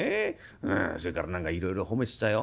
それから何かいろいろ褒めてたよ。